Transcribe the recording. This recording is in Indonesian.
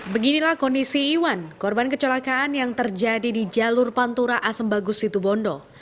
beginilah kondisi iwan korban kecelakaan yang terjadi di jalur pantura asem bagus situbondo